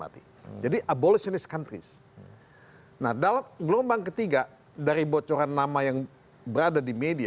terima kasih pak